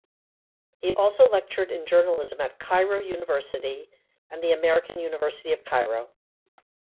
He also lectured in journalism at Cairo University and the American University of Cairo.